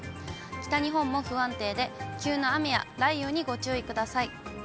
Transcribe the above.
北日本も不安定で、急な雨や雷雨にご注意ください。